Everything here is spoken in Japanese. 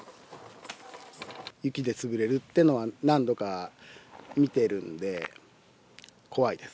雪で潰れるっていうのは、何度か見てるんで、怖いです。